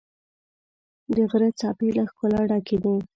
د غره څپې له ښکلا ډکې دي.